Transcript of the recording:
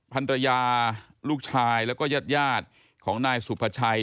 พันตะยาลูกชายและก็ญาติยาดของนายสุประชัย